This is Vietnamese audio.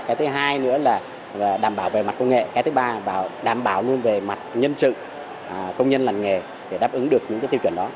cái thứ hai nữa là đảm bảo về mặt công nghệ cái thứ ba và đảm bảo luôn về mặt nhân sự công nhân lành nghề để đáp ứng được những cái tiêu chuẩn đó